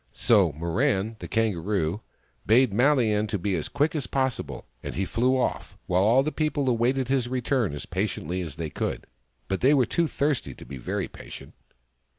So Mirran, the Kangaroo, bade MaHan be as quick as possible, and he flew off, while all the people awaited his return as patiently as they could. But they were too thirsty to be very patient.